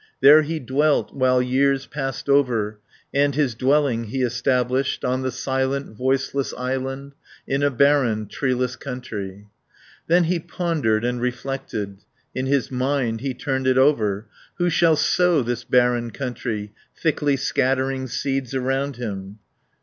There he dwelt, while years passed over, And his dwelling he established On the silent, voiceless island, In a barren, treeless country. Then he pondered and reflected, In his mind he turned it over, 10 "Who shall sow this barren country, Thickly scattering seeds around him?"